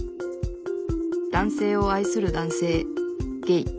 男性を愛する男性ゲイ。